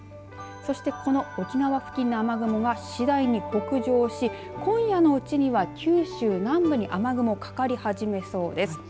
そしてこの沖縄付近の雨雲が次第に北上し今夜のうちには九州南部に雨雲、かかり始めそうです。